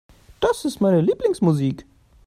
Das ist meine Lieblingsmusik.